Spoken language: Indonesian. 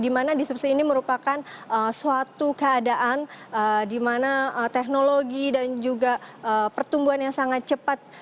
di mana disrupsi ini merupakan suatu keadaan di mana teknologi dan juga pertumbuhan yang sangat cepat